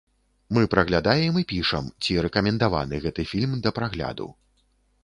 Мы праглядаем і пішам, ці рэкамендованы гэты фільм да прагляду.